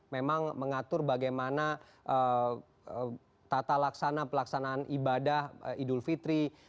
memang mengatur bagaimana tata laksana pelaksanaan ibadah idul fitri